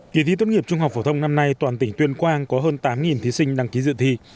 kỳ thi tốt nghiệp trung học phổ thông năm nay toàn tỉnh tuyên quang có hơn tám thí sinh đăng ký dự thi